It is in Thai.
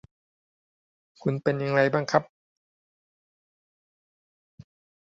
เขาคิดว่ามันเป็นไปตามกลไก ได้มาก็เอาไปสร้างวัด บริจาค